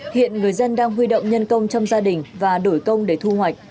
hiện người dân đang huy động nhân công trong gia đình và đổi công